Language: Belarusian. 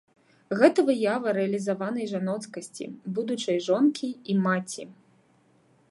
Гэта выява рэалізаванай жаноцкасці, будучай жонкі і маці.